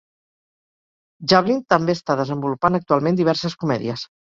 Jablin també està desenvolupant actualment diverses comèdies.